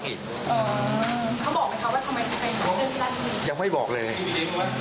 อ๋อเขาบอกกันเขาว่าทำไมเขาไปหาเพื่อนที่ล่าบุรี